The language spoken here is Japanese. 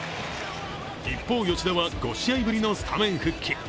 一方、吉田は５試合ぶりのスタメン復帰。